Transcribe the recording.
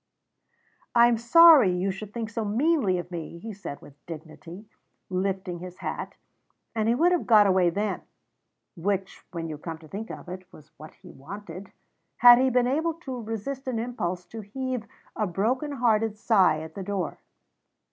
"I am sorry you should think so meanly of me," he said with dignity, lifting his hat; and he would have got away then (which, when you come to think of it, was what he wanted) had he been able to resist an impulse to heave a broken hearted sigh at the door.